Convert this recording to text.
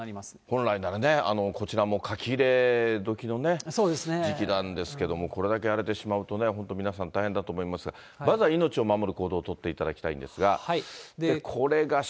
本来ならね、こちらも書き入れ時のね、時期なんですけども、これだけ荒れてしまうとね、本当、皆さん大変だと思いますが、まずは命を守る行動を取っていただきたいんですが。